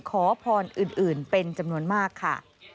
ขอพรอื่นเป็นจำนวนมากค่ะ